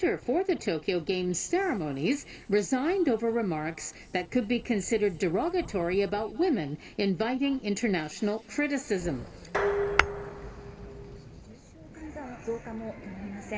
重症患者の増加も止まりません。